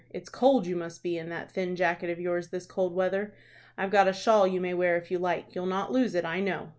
It's cold you must be in that thin jacket of yours this cold weather. I've got a shawl you may wear if you like. You'll not lose it, I know."